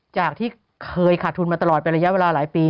จากที่เคยขาดทุนมาตลอดเป็นระยะเวลาหลายปี